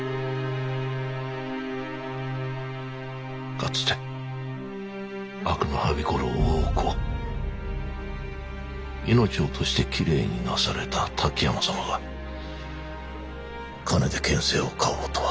かつて悪がはびこる大奥を命を賭してきれいになされた滝山様が金で権勢を買おうとは。